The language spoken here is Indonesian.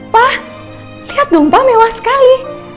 pa lihat dong pa mewah sekali